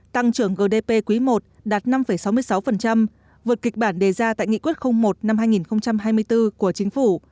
tăng trưởng gdp quý i đạt năm sáu mươi sáu vượt kịch bản đề ra tại nghị quyết một năm hai nghìn hai mươi bốn của chính phủ